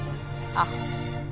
あっ。